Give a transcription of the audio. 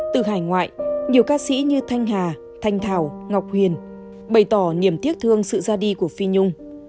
từ hải ngoại nhiều ca sĩ như thanh hà thanh thảo ngọc huyền bày tỏ niềm tiếc thương sự ra đi của phi nhung